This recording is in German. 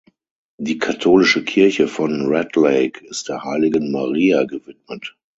Die katholische Kirche von Red Lake ist der Heiligen Maria gewidmet.